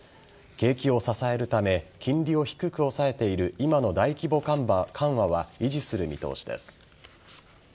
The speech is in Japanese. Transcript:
景気を支えるため金利を低く抑えている今の大規模緩和は維持する見通しです。